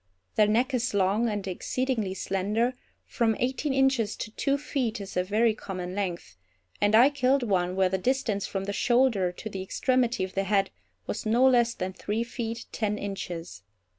Their neck is long, and exceedingly slender, from eighteen inches to two feet is a very common length, and I killed one, where the distance from the shoulder to the extremity of the head was no less than three feet ten inches.